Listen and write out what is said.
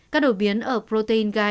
các đột biến ở protein gai